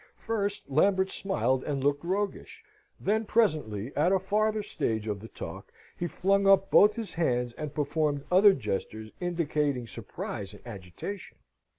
First, Lambert smiled and looked roguish. Then, presently, at a farther stage of the talk, he flung up both his hands and performed other gestures indicating surprise and agitation.